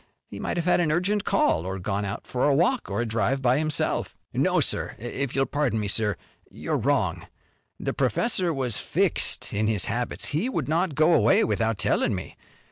He might have had an urgent call, or gone out for a walk or drive by himself." "No, sir. If you'll pardon me, sir, you're wrong. The professor was fixed in his habits. He would not go away without tellin' me.